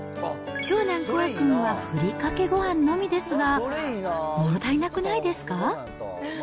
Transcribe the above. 長男、コア君はふりかけごはんのみですが、もの足りなくないですか？